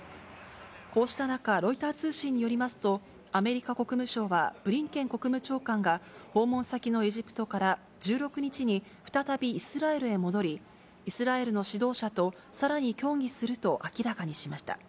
こうした中、ロイター通信によりますと、アメリカ国務省はブリンケン国務長官が、訪問先のエジプトから１６日に再びイスラエルへ戻り、イスラエルの指導者とさらに協議すると明らかにしました。